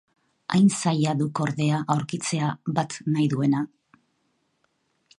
Hain zaila duk ordea aurkitzea bat nahi duena.